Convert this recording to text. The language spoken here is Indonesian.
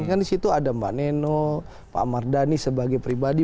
kan di situ ada mbak neno pak mardhani sebagai pribadi